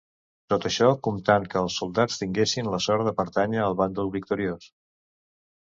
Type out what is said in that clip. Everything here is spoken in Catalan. Tot això comptant que els soldats tinguessin la sort de pertànyer al bàndol victoriós.